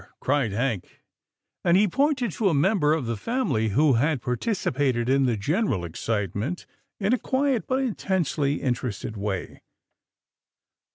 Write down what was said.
" cried Hank, and he pointed to a member of the family who had participated in the general excitement in a quiet, but intensely in terested way.